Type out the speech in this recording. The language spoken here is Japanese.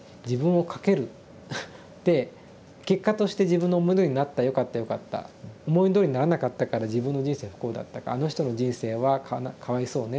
で結果として自分のものになったよかったよかった思いどおりにならなかったから自分の人生不幸だったか「あの人の人生はかわいそうね」っていうですね